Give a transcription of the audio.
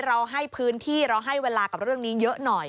เราให้พื้นที่เราให้เวลากับเรื่องนี้เยอะหน่อย